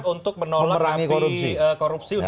sepakat untuk menolak napi korupsi untuk maju kembali sempat